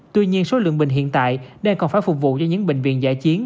tuy nhiên số lượng bình hiện tại đang còn phải phục vụ cho những bệnh viện giải chiến